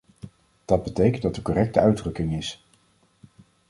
Dat betekent dat de correcte uitdrukking is.